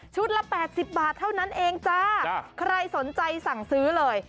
ละแปดสิบบาทเท่านั้นเองจ้าใครสนใจสั่งซื้อเลย